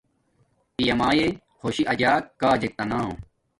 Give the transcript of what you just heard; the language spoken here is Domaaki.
پیامایے خوشی اجک کاجک تا نا